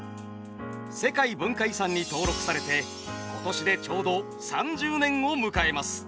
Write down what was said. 世界文化遺産に登録されて今年でちょうど３０年を迎えます。